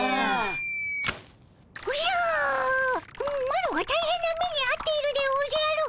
マロが大変な目にあっているでおじゃる。